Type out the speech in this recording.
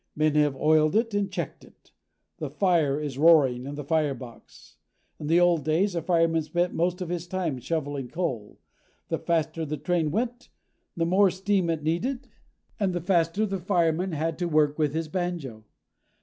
Men have oiled it and checked it. The fire is roaring in the firebox. In the old days, a fireman spent most of his time shoveling coal. The faster the train went, the more steam it needed and the faster the fireman had to work with his banjo.